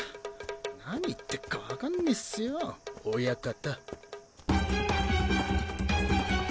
何言ってっか分かんねぇっスよ親方。